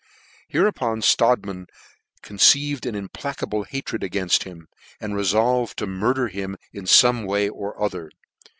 Hereupon Strodtman conceived an implacable hatred againft him, and refolvcd to murder him in fome way or other.